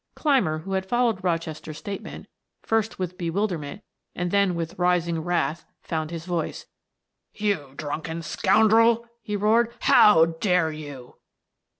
Clymer, who had followed Rochester's statement, first with bewilderment and then with rising wrath, found his voice. "You drunken scoundrel!" he roared. "How dare you!"